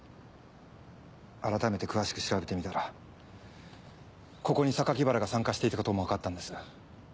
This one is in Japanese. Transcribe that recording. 改めて詳しく調べてみたらここに原が参加していたことも分かったんです。